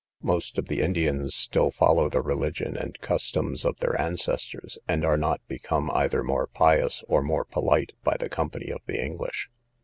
Most of the Indians still follow the religion and customs of their ancestors; and are not become either more pious or more polite by the company of the English.